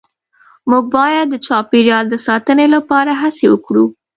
مونږ باید د چاپیریال د ساتنې لپاره هڅې وکړو